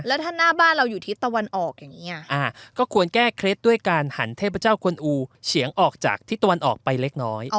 แล้วถ้าหน้าบ้านเราอยู่ทิศตะวันออกอย่างนี้ก็ควรแก้เคล็ดด้วยการหันเทพเจ้ากวนอูเฉียงออกจากทิศตะวันออกไปเล็กน้อย